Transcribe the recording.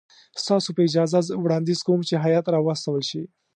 ستاسو په اجازه زه وړاندیز کوم چې هیات واستول شي.